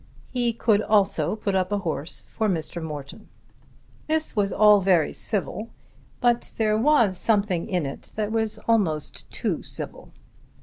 He could also put up a horse for Mr. Morton. This was all very civil, but there was something in it that was almost too civil.